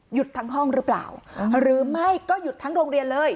ทั้งห้องหรือเปล่าหรือไม่ก็หยุดทั้งโรงเรียนเลย